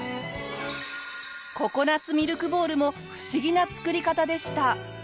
ココナッツミルクボールも不思議な作り方でした。